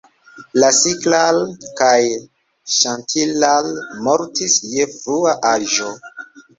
Rasiklal kaj Ŝantilal mortis je frua aĝo.